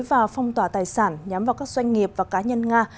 và phong tỏa tài sản nhắm vào các doanh nghiệp và cá nhân nga